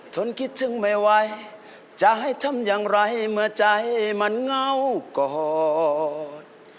นคิดถึงไม่ไหวจะให้ทำอย่างไรเมื่อใจมันเงาก่อน